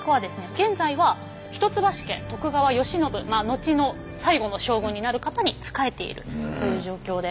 現在は一橋家徳川慶喜後の最後の将軍になる方に仕えているという状況で。